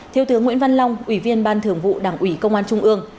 thiếu tướng nguyễn văn long ủy viên ban thường vụ đảng ủy công an trung ương